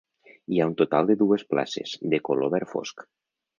Hi ha un total de dues places, de color verd fosc.